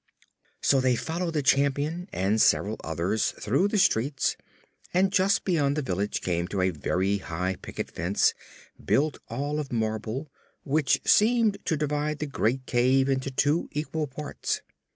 So they followed the Champion and several others through the streets and just beyond the village came to a very high picket fence, built all of marble, which seemed to divide the great cave into two equal parts.